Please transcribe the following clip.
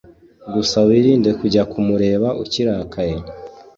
Gusa wirinde kujya kumureba ukirakaye